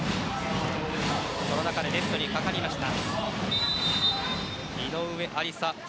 その中でネットに掛かりました。